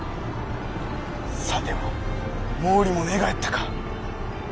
さては毛利も寝返ったか。